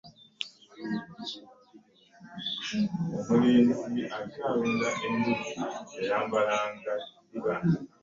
Agamba yayizza enduulu ng'etikkula n'amabaati ku nju ekiro.